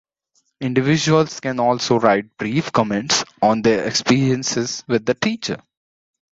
Individuals can also write brief comments on their experiences with the teachers.